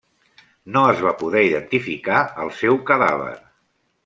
No es va poder identificar el seu cadàver.